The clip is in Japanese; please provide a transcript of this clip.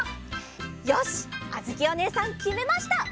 よしっあづきおねえさんきめました！